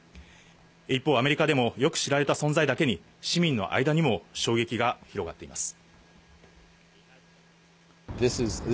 一方、アメリカでもよく知られた存在だけに、市民の間にも衝撃が広がっています。